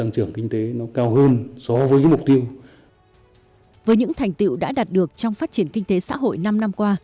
với những thành tiệu đã đạt được trong phát triển kinh tế xã hội năm năm qua